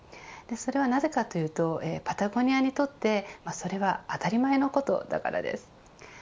それはなぜかというとパタゴニアにとってそれは当たり前のことだからです。